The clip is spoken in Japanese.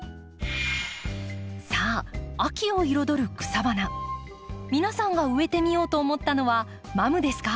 さあ秋を彩る草花皆さんが植えてみようと思ったのはマムですか？